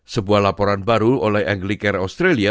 sebuah laporan baru oleh angglicare australia